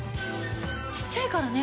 ちっちゃいからね